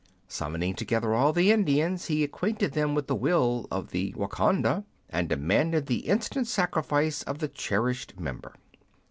Summoning together all the Indians, he acquainted them with the will of the Wahconda, and demanded the instant sacrifice of the cherished member.